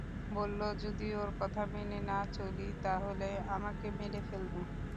বললো, যদি ওর কথা মেনে না চলি, তাহলে আমাকে মেরে ফেলবে।